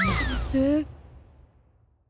えっ？